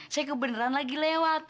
saya kebeneran lagi lewat